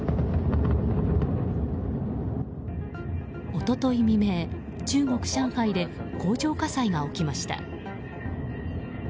一昨日未明、中国・上海で工場火災が起きました。